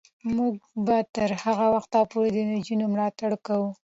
موږ به تر هغه وخته پورې د نجونو ملاتړ کوو.